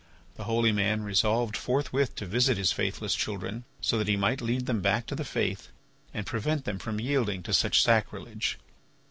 The holy man resolved forthwith to visit his faithless children, so that he might lead them back to the faith and prevent them from yielding to such sacrilege.